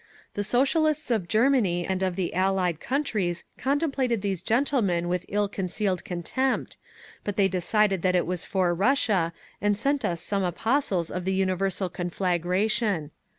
"The Socialists of Germany and of the Allied countries contemplated these gentlemen with ill concealed contempt, but they decided that it was for Russia, and sent us some apostles of the Universal Conflagration….